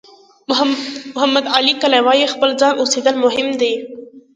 محمد علي کلي وایي خپل ځان اوسېدل مهم دي.